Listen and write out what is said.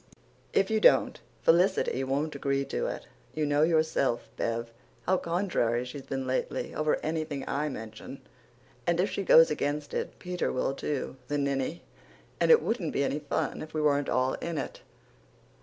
"If you don't, Felicity won't agree to it. You know yourself, Bev, how contrary she's been lately over anything I mention. And if she goes against it Peter will too the ninny! and it wouldn't be any fun if we weren't all in it."